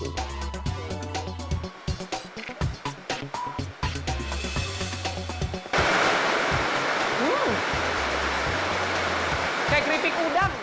kayak keripik udang